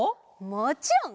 もちろん！